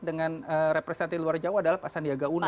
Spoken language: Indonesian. dengan representasi luar jawa adalah pasandia gauno